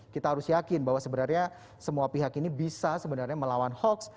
kita harus yakin bahwa sebenarnya semua pihak ini bisa sebenarnya melawan hoax